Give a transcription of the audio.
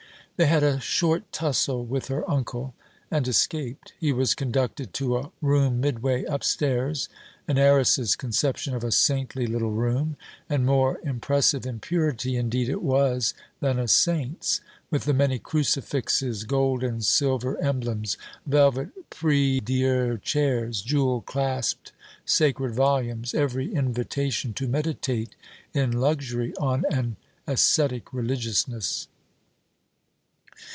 They had a short tussle with her uncle and escaped. He was conducted to a room midway upstairs: an heiress's conception of a saintly little room; and more impresive in purity, indeed it was, than a saint's, with the many crucifixes, gold and silver emblems, velvet prie Dieu chairs, jewel clasped sacred volumes: every invitation to meditate in luxury on an ascetic religiousness.